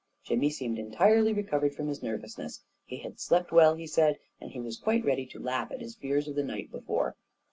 Jimmy seemed en tirely recovered from his nervousness; he had slept well, he said, and he was quite ready to laugh at his fears of the night before.